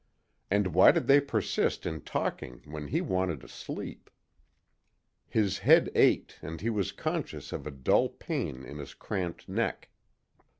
And why did they persist in talking when he wanted to sleep? His head ached, and he was conscious of a dull pain in his cramped neck.